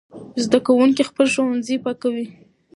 زده کوونکي خپل ښوونځي پاکوي.